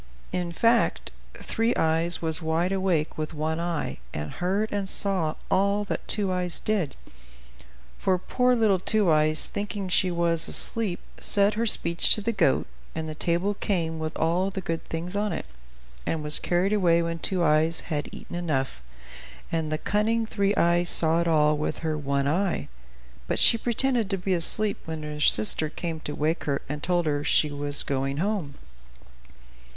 In fact, Three Eyes was wide awake with one eye, and heard and saw all that Two Eyes did; for poor little Two Eyes, thinking she was asleep, said her speech to the goat, and the table came with all the good things on it, and was carried away when Two Eyes had eaten enough; and the cunning Three Eyes saw it all with her one eye. But she pretended to be asleep when her sister came to wake her and told her she was going home.